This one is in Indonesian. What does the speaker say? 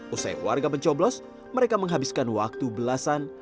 usai warga mencoblos mereka menghabiskan waktu belasan